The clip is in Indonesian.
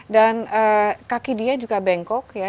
dan kaki dia juga bengkok ya